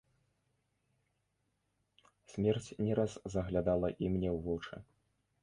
Смерць не раз заглядала і мне ў вочы.